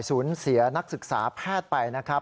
สูญเสียนักศึกษาแพทย์ไปนะครับ